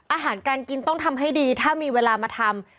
อาหารการกินต้องทำให้ดีถ้ามีเวลามาทำ